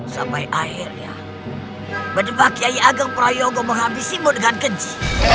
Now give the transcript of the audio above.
sampai akhirnya berdewakiyai agang pura yogo menghabisimu dengan keji